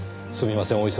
すみません